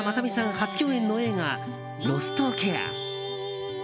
初共演の映画「ロストケア」。